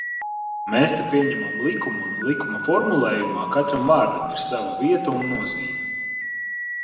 Mēs te pieņemam likumu un likuma formulējumā katram vārdam ir sava vieta un nozīme.